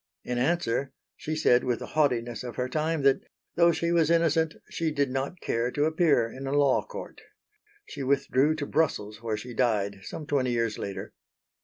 In answer she said with the haughtiness of her time that though she was innocent she did not care to appear in a Law Court. She withdrew to Brussels where she died some twenty years later.